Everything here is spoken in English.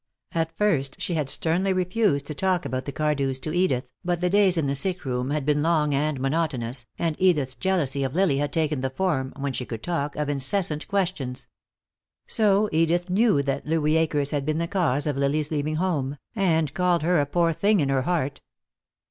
At first she had sternly refused to talk about the Cardews to Edith, but the days in the sick room had been long and monotonous, and Edith's jealousy of Lily had taken the form, when she could talk, of incessant questions. So Edith knew that Louis Akers had been the cause of Lily's leaving home, and called her a poor thing in her heart.